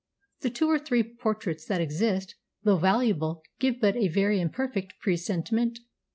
The two or three portraits that exist, though valuable, give but a very imperfect presentiment.